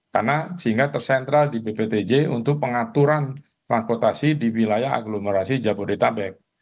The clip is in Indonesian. karena sehingga tersentral di bptj untuk pengaturan makotasi di wilayah agglomerasi jabodetabek